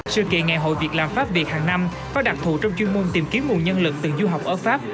sự kiện ngày hội việc làm pháp việt hàng năm có đặc thù trong chuyên môn tìm kiếm nguồn nhân lực từ du học ở pháp